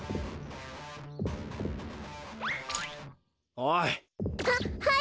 おい。